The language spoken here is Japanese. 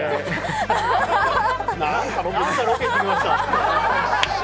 なんかロケ行ってきました。